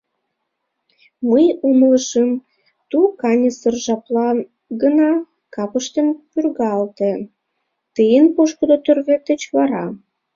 — Мый умылышым, ту каньысыр жаплан гына капыштем пӱргалте... тыйын пушкыдо тӱрвет деч вара.